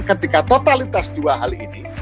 ketika totalitas dua kali ini